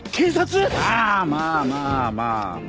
まあまあまあまあまあ。